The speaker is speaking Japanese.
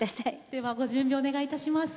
ではご準備お願いいたします。